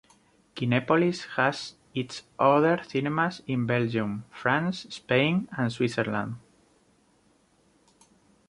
Kinepolis has its other cinemas in Belgium, France, Spain and Switzerland.